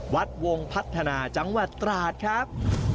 วัดวงพัฒนาจังหวัดตราดครับ